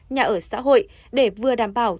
nhà ở xã hội để vừa đảm bảo